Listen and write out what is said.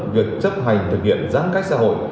việc chấp hành thực hiện giãn cách xã hội